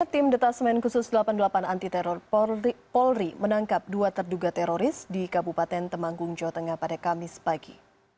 tim detasemen khusus delapan puluh delapan anti teror polri menangkap dua terduga teroris di kabupaten temanggung jawa tengah pada kamis pagi